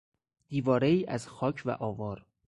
دیوارهای از خاک و آوار